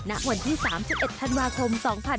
นักหวันที่๓๑ธันวาคม๒๕๖๕